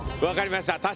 分かりました。